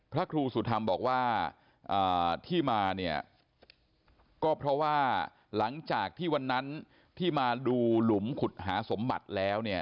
พระครูสุธรรมบอกว่าที่มาเนี่ยก็เพราะว่าหลังจากที่วันนั้นที่มาดูหลุมขุดหาสมบัติแล้วเนี่ย